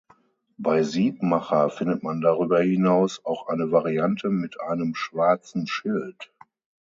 Bei Siebmacher findet man darüber hinaus auch eine Variante mit einem schwarzen Schild.